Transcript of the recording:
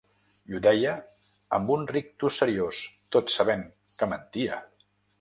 I ho deia amb un rictus seriós, tot sabent que mentia.